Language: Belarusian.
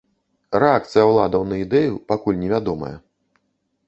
Рэакцыя ўладаў на ідэю пакуль невядомая.